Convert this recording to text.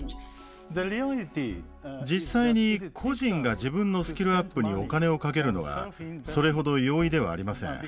実際に個人が自分のスキルアップにお金をかけるのはそれほど容易ではありません。